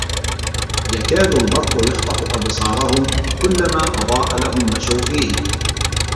يَكَادُ الْبَرْقُ يَخْطَفُ أَبْصَارَهُمْ ۖ كُلَّمَا أَضَاءَ لَهُمْ مَشَوْا فِيهِ